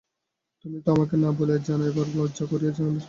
তুমি তো আমাকে না বলিয়া জানাইবার, লজ্জা করিয়া জানাইবার, সময় দাও নাই।